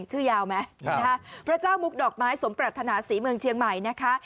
ชื่อยาวไหมนะคะพระเจ้ามุกดอกไม้สมปรัฐนาศรีเมืองเชียงใหม่นะคะ